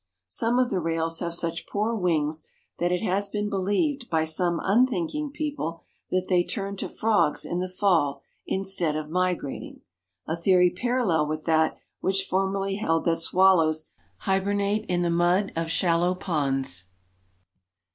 Some of the rails have such poor wings that it has been believed by some unthinking people that they turn to frogs in the fall instead of migrating a theory parallel with that which formerly held that swallows hibernate in the mud of shallow ponds.